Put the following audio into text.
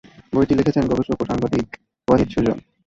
বইটি লিখেছেন গবেষক ও সাংবাদিক ওয়াহিদ সুজন।